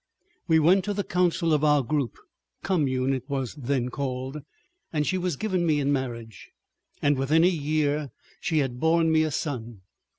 We went to the council of our group—commune it was then called—and she was given me in marriage, and within a year she had borne me a son.